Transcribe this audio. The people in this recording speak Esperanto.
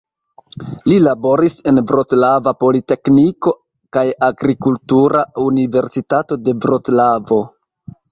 Li laboris en Vroclava Politekniko kaj Agrikultura Universitato de Vroclavo.